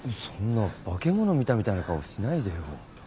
そんな化け物見たみたいな顔しないでよ。